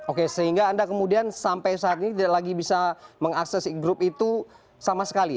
oke sehingga anda kemudian sampai saat ini tidak lagi bisa mengakses grup itu sama sekali